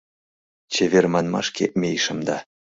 Чевер манмашке мийышым да